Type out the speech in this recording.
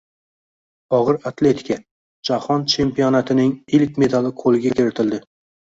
Og‘ir atletika: jahon chempionatining ilk medali qo‘lga kiritildi